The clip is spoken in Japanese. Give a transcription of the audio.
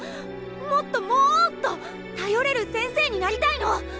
もっともっと頼れる先生になりたいの！